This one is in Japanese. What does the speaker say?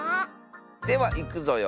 ではいくぞよ。